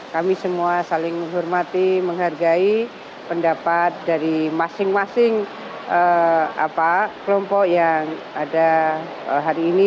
kami semua saling menghormati menghargai pendapat dari masing masing kelompok yang ada hari ini